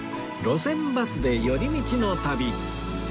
『路線バスで寄り道の旅』